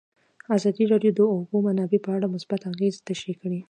ازادي راډیو د د اوبو منابع په اړه مثبت اغېزې تشریح کړي.